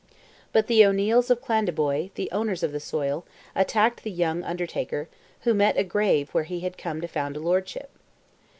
But the O'Neils of Clandeboy, the owners of the soil, attacked the young Undertaker, who met a grave where he had come to found a lordship.